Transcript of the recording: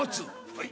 はい。